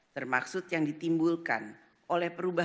termaksud yang ditimbulkan oleh perubahan